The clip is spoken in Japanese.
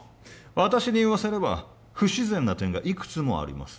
私に言わせれば不自然な点がいくつもあります